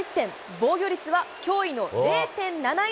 防御率は驚異の０．７１。